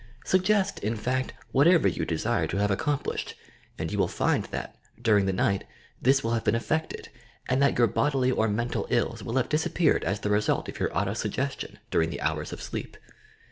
Suggest, in fact, whatever you (Icfiire to have aL'complished, and you will find that, during the night, this will have been effected and that your bodily or mental ills will have disappeared as the result of your auto suggrstion during the hours of sleep.